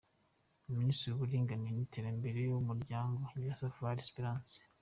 Minisitiri w’Uburinganire n’Iterambere ry’Umuryango : Nyirasafali Esperance